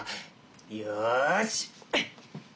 よし！